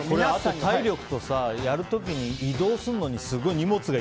体力と、やる時に移動するのにすごい荷物が